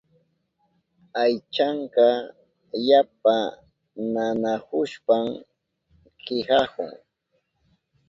Aychanka yapa nanahushpan kihahun.